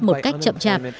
một cách chậm chạp